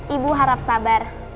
ibu harap sabar